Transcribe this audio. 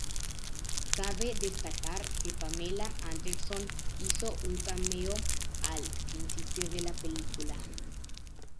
Cabe destacar que Pamela Anderson hizo un cameo al principio de la película.